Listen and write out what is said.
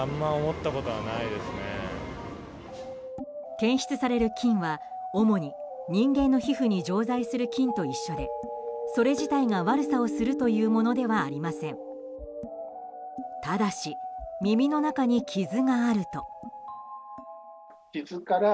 検出される菌は、主に人間の皮膚に常在する菌と一緒でそれ自体が悪さをするというものではありません。